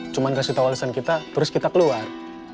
cuma kasih tau alasan kita terus kita keluar